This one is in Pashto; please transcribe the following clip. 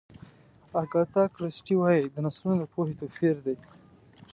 اګاتا کریسټي وایي د نسلونو د پوهې توپیر دی.